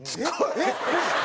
えっ！